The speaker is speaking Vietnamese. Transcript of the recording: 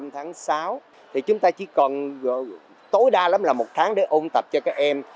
tháng sáu thì chúng ta chỉ còn tối đa lắm là một tháng để ôn tập cho các em